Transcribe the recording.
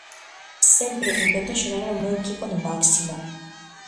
Sempre intento axudar o meu equipo no máximo.